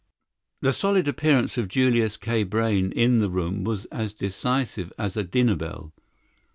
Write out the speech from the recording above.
The solid appearance of Julius K. Brayne in the room was as decisive as a dinner bell.